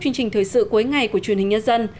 chương trình thời sự cuối ngày của truyền hình nhân dân